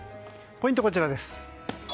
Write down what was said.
ポイント、こちらです。